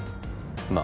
まあ